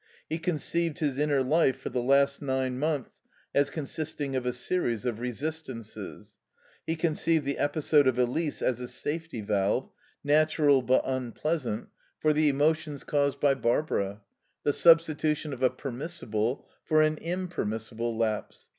He conceived his inner life for the last nine months as consisting of a series of resistances. He conceived the episode of Elise as a safety valve, natural but unpleasant, for the emotions caused by Barbara: the substitution of a permissible for an impermissible lapse.